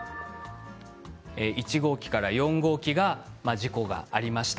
１号機から４号機が事故がありました。